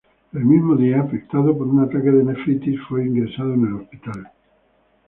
El mismo día, afectado por un ataque de nefritis, fue ingresado en el hospital.